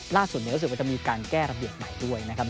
ล่าสุดรู้สึกว่าจะมีการแก้ระเบียบใหม่ด้วยนะครับ